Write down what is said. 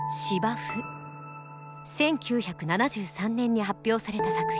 １９７３年に発表された作品。